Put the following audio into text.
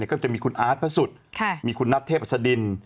ก็จะมีคุณอาร์ตพระสุทธิ์มีคุณนัทเทพศดิน